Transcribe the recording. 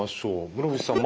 室伏さん